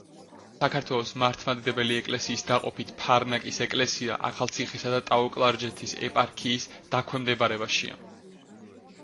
საქართველოს მართლმადიდებელი ეკლესიის დაყოფით ფარნაკის ეკლესია, ახალციხისა და ტაო-კლარჯეთის ეპარქიის დაქვემდებარებაშია.